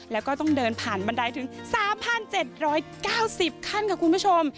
แล้วก็ต้องเดินผ่านบันไดถึง๓๗๙๐ขั้นค่ะคุณผู้ชม